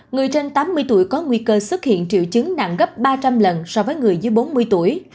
người trên tám mươi tuổi có nguy cơ xuất hiện triệu chứng nặng gấp ba trăm linh lần so với người dưới bốn mươi tuổi